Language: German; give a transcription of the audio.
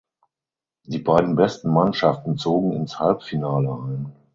Die beiden besten Mannschaften zogen ins Halbfinale ein.